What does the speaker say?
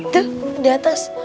deh di atas